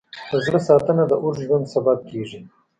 د زړه ساتنه د اوږد ژوند سبب کېږي.